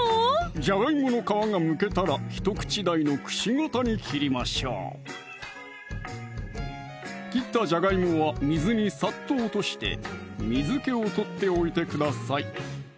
じゃがいもの皮がむけたらひと口大のくし形に切りましょう切ったじゃがいもは水にさっと落として水気を取っておいてください